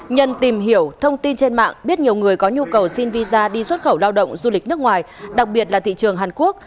nhân tìm hiểu thông tin trên mạng biết nhiều người có nhu cầu xin visa đi xuất khẩu lao động du lịch nước ngoài đặc biệt là thị trường hàn quốc